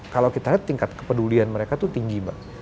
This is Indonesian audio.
kalau kita lihat tingkat kepedulian mereka tuh tinggi banget